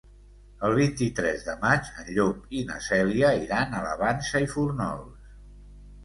El vint-i-tres de maig en Llop i na Cèlia iran a la Vansa i Fórnols.